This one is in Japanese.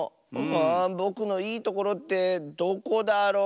あぼくのいいところってどこだろ？